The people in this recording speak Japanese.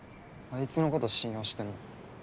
あいつのこと信用してんの？